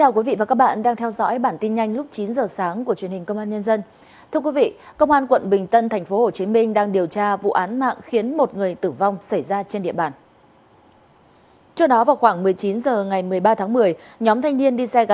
cảm ơn các bạn đã theo dõi